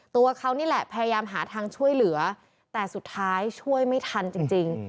ตัวเขานี่แหละพยายามหาทางช่วยเหลือแต่สุดท้ายช่วยไม่ทันจริง